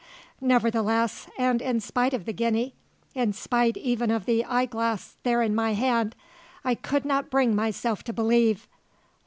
Nevertheless, and in spite of the guinea, in spite even of the eyeglass there in my hand, I could not bring myself to believe.